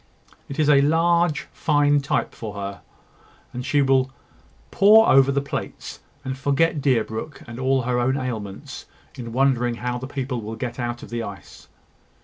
It is a fine large type for her; and she will pore over the plates, and forget Deerbrook and all her own ailments, in wondering how the people will get out of the ice."